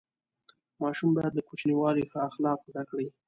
ماشوم باید له کوچنیوالي ښه اخلاق زده کړي.